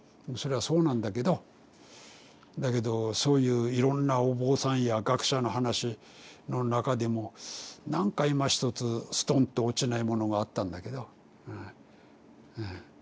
それはそうなんだけどだけどそういういろんなお坊さんや学者の話の中でもなんかいまひとつすとんと落ちないものがあったんだけどうんうん。